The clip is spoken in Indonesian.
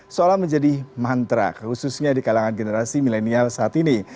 seolah menjadi mantra khususnya di kalangan generasi milenial saat ini